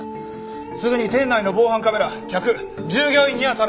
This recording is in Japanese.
すぐに店内の防犯カメラ客従業員にあたれ！